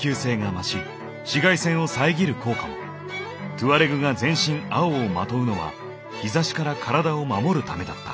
トゥアレグが全身青を纏うのは日差しから体を守るためだった。